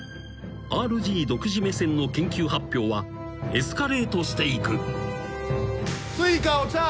ＲＧ独自目線の研究発表はエスカレートしていく］